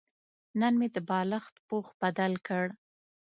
نن مې د بالښت پوښ بدل کړ.